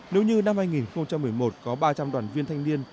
nếu như năm hai nghìn một mươi một có ba trăm linh đoàn viên thanh niên